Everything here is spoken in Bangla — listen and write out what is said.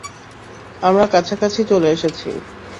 আমরা কাছাকাছি চলে এসেছি।